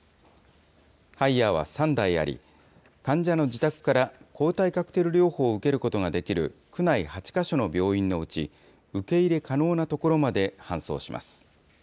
ハイヤーは３台あり、患者の自宅から抗体カクテル療法を受けることができる区内８か所の病院のうち、受け入れ可能な所まで搬送します。